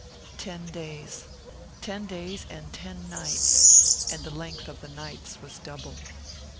Ten days ten days and ten nights! And the length of the nights was double....